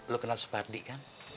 lo kenal supardi kan